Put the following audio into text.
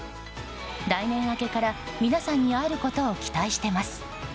来年明けから皆さんに会えることを期待しています。